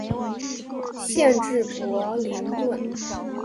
县治伯灵顿。